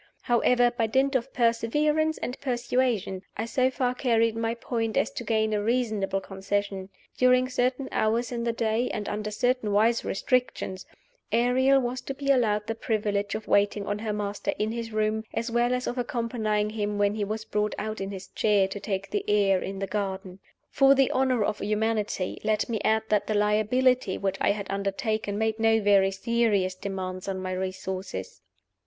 However, by dint of perseverance and persuasion, I so far carried my point as to gain a reasonable concession. During certain hours in the day, and under certain wise restrictions, Ariel was to be allowed the privilege of waiting on the Master in his room, as well as of accompanying him when he was brought out in his chair to take the air in the garden. For the honor of humanity, let me add that the liability which I had undertaken made no very serious demands on my resources.